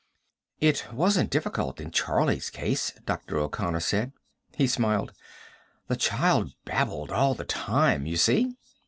"It wasn't difficult in Charlie's case," Dr. O'Connor said. He smiled. "The child babbled all the time, you see."